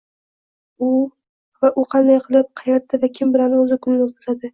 va “u qanday qilib, qayerda va kim bilan o‘z kunini o‘tkazadi?”